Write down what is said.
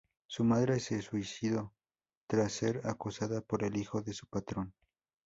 Su madre se suicidó trás ser acosada por el hijo de su patrón.